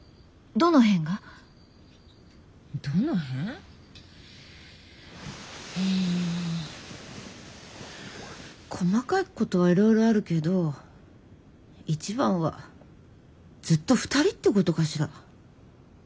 どの辺？ん細かいことはいろいろあるけど一番はずっと２人ってことかしら。